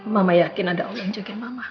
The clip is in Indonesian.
mama yakin ada allah yang jagain mama